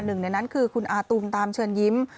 หนึ่งในนั้นคือคุณอาตูมตามเชิญยิ้ม